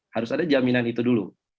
harus ada jaminan itu dulu